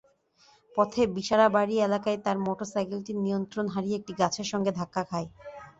পথে বিশারাবাড়ি এলাকায় তাঁর মোটরসাইকেলটি নিয়ন্ত্রণ হারিয়ে একটি গাছের সঙ্গে ধাক্কা খায়।